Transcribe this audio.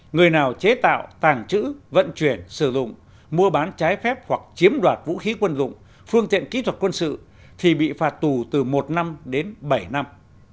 người nào chế tạo tàng trữ vận chuyển sử dụng mua bán trái phép hoặc chiếm đoạt vũ khí quân dụng phương tiện kỹ thuật quân sự thì bị phạt tù từ một năm đến bảy năm